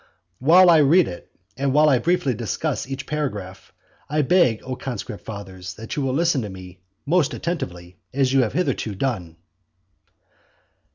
While I read it, and while I briefly discuss each paragraph, I beg, O conscript fathers, that you will listen to me most attentively, as you have hitherto done.